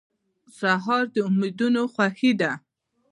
سهار د امیدونو خوښي ده.